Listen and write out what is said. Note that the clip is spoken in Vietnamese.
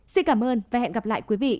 xin cảm ơn và hẹn gặp lại quý vị